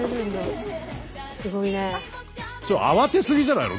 ちょっと慌てすぎじゃないの？